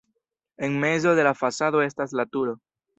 En mezo de la fasado estas la turo.